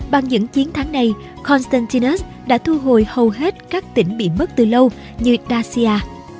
bằng những chiến thắng này constantinus đã thu hồi hầu hết các tỉnh bị mất từ lâu như dacia